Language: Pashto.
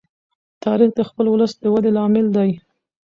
تاریخ د خپل ولس د ودې لامل دی.